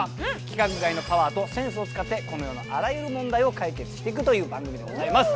規格外のパワーとセンスを使ってこの世のあらゆる問題を解決してくという番組でございます